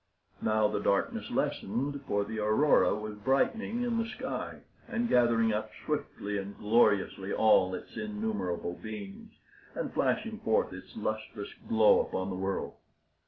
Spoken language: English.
Now the darkness lessened, for the aurora was brightening in the sky, and gathering up swiftly and gloriously all its innumerable beams, and flashing forth its lustrous glow upon the world.